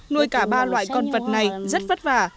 nuôi cả ba loại con vật này rất vất vả